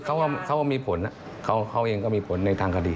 เขาก็มีผลเขาเองก็มีผลในทางคดี